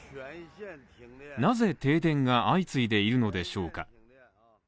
なぜ停電が相次いでいるのでしょうか？